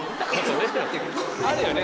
あるよね